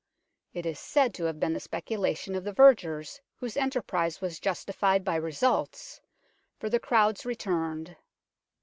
It is said to have been the speculation of the vergers, whose enterprise was justified by results, for the crowds returned.